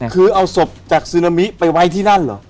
คือเอาศพจากซึนามิไปไว้ที่นั่นเหรอ